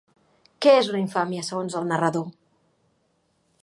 Què és una infàmia segons el narrador?